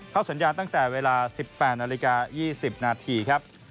สัญญาณตั้งแต่เวลา๑๘นาฬิกา๒๐นาทีครับ